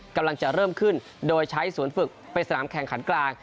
กำลังจะเริ่มขึ้นโดยใช้ศูนย์ฝึกเป็นสนามแข่งขันกลาง